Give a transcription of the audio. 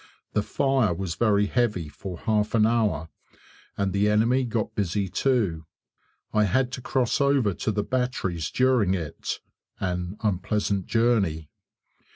The fire was very heavy for half an hour and the enemy got busy too. I had to cross over to the batteries during it, an unpleasant journey.